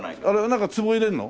なんかつぼ入れるの？